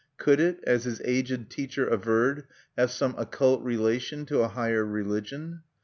Could it, as his aged teacher averred, have some occult relation to a higher religion?